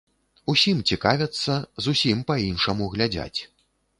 Усім цікавяцца, зусім па-іншаму глядзяць.